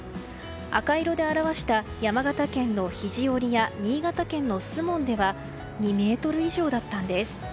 赤色で表した山形県の肘折や新潟県の守門では２ｍ以上だったんです。